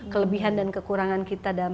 kelebihan dan kekurangan kita dalam